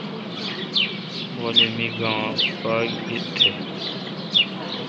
غلی می گاؘ پاک تھ۔